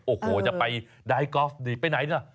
โอ้โหจะไปไดกอล์ฟดีไปไหนนะ